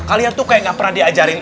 kalian tuh kayak gak pernah diajarin